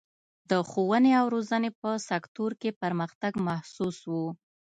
د ښوونې او روزنې په سکتور کې پرمختګ محسوس و.